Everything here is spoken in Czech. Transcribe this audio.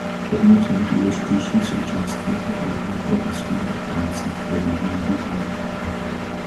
Jednou z nejdůležitějších součástí jeho dlouholeté výzkumné práce je vývoj nových léků.